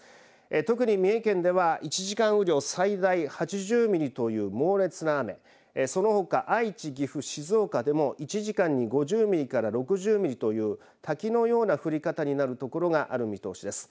特に三重県では１時間雨量最大８０ミリという猛烈な雨そのほか愛知、岐阜、静岡でも１時間に５０ミリから６０ミリという滝のような降り方になるところがある見通しです。